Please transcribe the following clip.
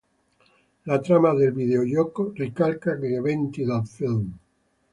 La trama del videogioco ricalca gli eventi del film.